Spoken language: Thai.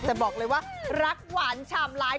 แต่บอกเลยว่ารักหวานฉ่ำร้าย